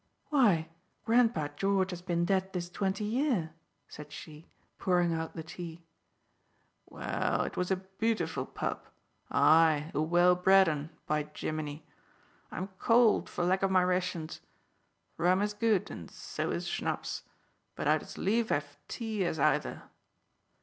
"Why, grandpa George has been dead this twenty year," said she, pouring out the tea. "Well, it was a bootiful pup aye, a well bred un, by Jimini! I'm cold for lack o' my rations. Rum is good, and so is schnapps, but I'd as lief have tea as either."